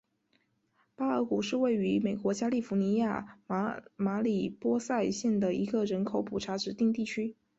贝尔谷是位于美国加利福尼亚州马里波萨县的一个人口普查指定地区。